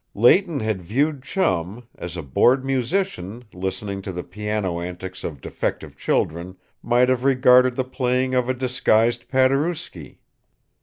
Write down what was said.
Leighton had viewed Chum, as a bored musician, listening to the piano antics of defective children, might have regarded the playing of a disguised Paderewski.